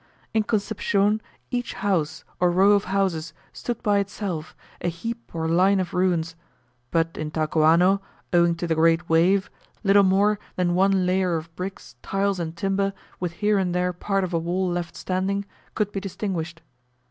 In Concepcion each house, or row of houses, stood by itself, a heap or line of ruins; but in Talcahuano, owing to the great wave, little more than one layer of bricks, tiles, and timber with here and there part of a wall left standing, could be distinguished.